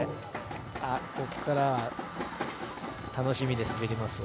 ここから楽しんで滑りますよ。